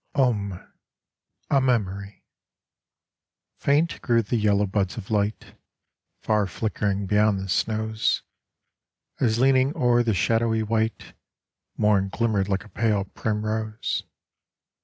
45 A MEMORY FAINT grew the yellow buds of light Far flickering beyond the snows, As leaning o'er the shadowy white Morn glimmered like a pale primrose.